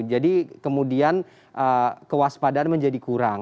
jadi kemudian kewaspadaan menjadi kurang